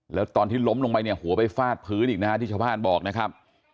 แล้วตอนที่ล้มลงไปเนี่ยหัวไปฟาดพื้นอีกนะฮะที่ชาวบ้านบอกนะครับ